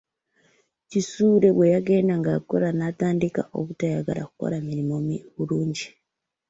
Kisuule bwe yagenda ng’akula natandika obutayagala kukola mirumu bulungi.